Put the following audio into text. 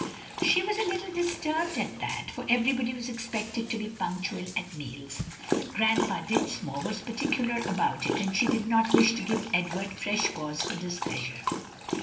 She was a little disturbed at that, for everybody was expected to be punctual at meals. Grandpa Dinsmore was particular about it, and she did not wish to give Edward fresh cause for displeasure.